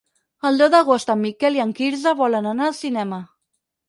El deu d'agost en Miquel i en Quirze volen anar al cinema.